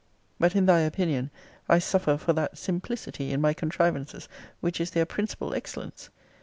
But, in thy opinion, I suffer for that simplicity in my contrivances, which is their principal excellence.